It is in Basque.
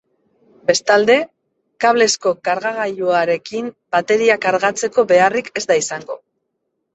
Bestalde, kablezko kargagailuarekin bateriak kargatzeko beharrik ez da izango.